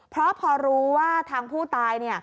เพราะพอรู้ว่าทางผู้ตาย